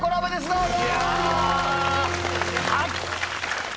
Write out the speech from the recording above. どうぞ！